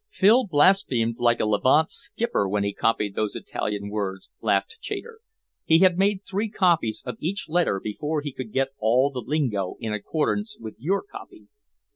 "Phil blasphemed like a Levant skipper when he copied those Italian words!" laughed Chater. "He had made three copies of each letter before he could get all the lingo in accordance with your copy."